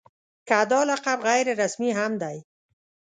که دا لقب غیر رسمي هم دی.